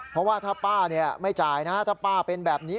เพราะว่าถ้าป้าไม่จ่ายนะถ้าป้าเป็นแบบนี้